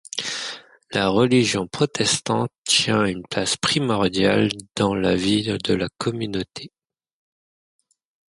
La religion protestante tient une place primordiale dans la vie de la communauté.